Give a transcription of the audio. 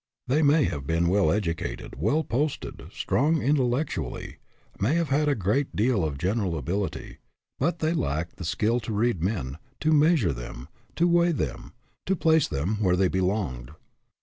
They may have been well educated, well posted, strong intellectually, may have had a great deal of general ability; but they lacked the skill to read men, to measure them, to weigh them, to place them where they belonged.